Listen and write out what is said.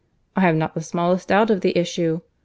I have not the smallest doubt of the issue.